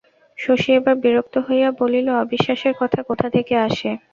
শশী এবার বিরক্ত হইয়া বলিল, অবিশ্বাসের কথা কোথা থেকে আসে?